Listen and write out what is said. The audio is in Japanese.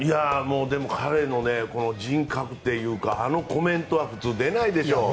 でも、彼の人格というかあのコメントは普通出ないでしょ。